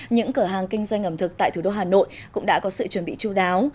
những cửa hàng kinh doanh ẩm thực tại thủ đô hà nội cũng đã có sự chuẩn bị chú đáo